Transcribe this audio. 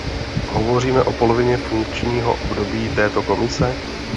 Hovoříme o polovině funkčího období této Komise?